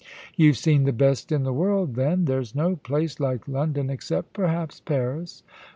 'You've seen the best in the world then. There's no place like London, except perhaps Paris.